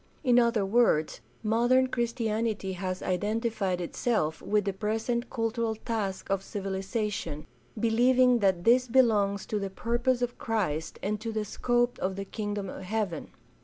In other words, modern Christianity has identified itself with the present cultural task of civilization, believing that this belongs to the purpose of Christ and to the scope of the Kingdom of Heaven.